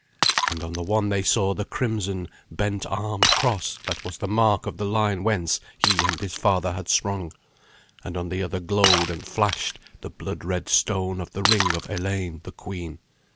And on the one they saw the crimson bent armed cross that was the mark of the line whence he and his father had sprung, and on the other glowed and flashed the blood red stone of the ring of Eleyn the queen.